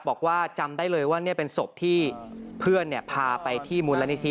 บอกว่าจำได้เลยว่านี่เป็นศพที่เพื่อนพาไปที่มูลนิธิ